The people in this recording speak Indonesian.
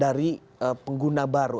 dari pengguna baru